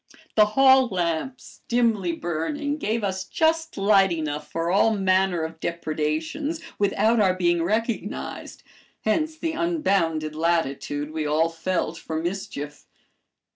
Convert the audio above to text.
The hall lamps, dimly burning, gave us just light enough for all manner of depredations without our being recognized, hence the unbounded latitude we all felt for mischief.